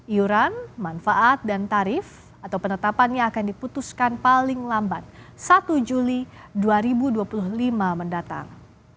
iuran manfaat dan tarif atau penetapannya akan diputuskan paling lambat satu juli dua ribu dua puluh lima mendatang